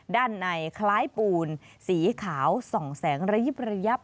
ด้านในคล้ายปูนสีขาวส่องแสงระยิบระยับ